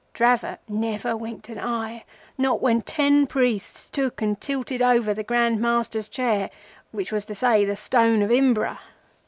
Dravot never winked an eye, not when ten priests took and tilted over the Grand Master's chair—which was to say the stone of Imbra.